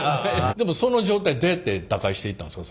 でもその状態どうやって打開していったんですか？